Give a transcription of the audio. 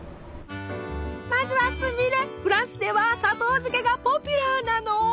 まずはフランスでは砂糖漬けがポピュラーなの。